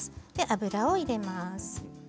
油を入れます。